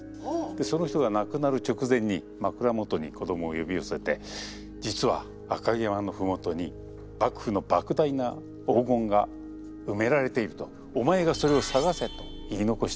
その人が亡くなる直前に枕元に子供を呼び寄せて「実は赤城山の麓に幕府のばく大な黄金が埋められている」と「お前がそれを探せ」と言い残したわけですね。